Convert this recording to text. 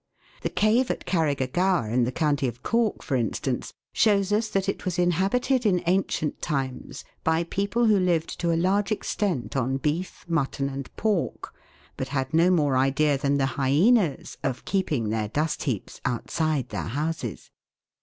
The cave at Carriga gower, in the county of Cork, for instance, shows us that it was inhabited in ancient times by people who lived to a large extent on beef, mutton, and pork, but had no more idea than the hyaenas of keeping their dust heaps outside their houses.